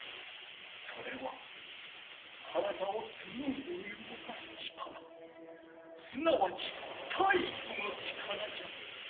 それは体をスムーズにうごかす力すなわち体育の力じゃ！